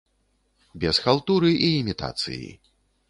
Без халтуры і імітацыі.